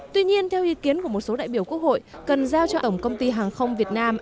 tuy nhiên theo ý kiến của một số đại biểu quốc hội cần giao cho tổng công ty hàng không việt nam